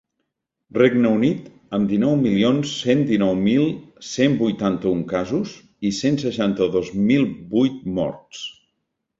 Regne Unit, amb dinou milions cent dinou mil cent vuitanta-un casos i cent seixanta-dos mil vuit morts.